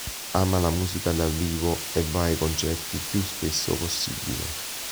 Ama la musica dal vivo e va ai concerti il più spesso possibile.